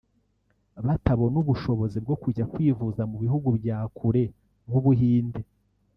batabona ubushobozi bwo kujya kwivuza mu bihugu bya kure nk’Ubuhinde